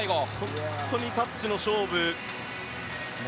本当にタッチの勝負。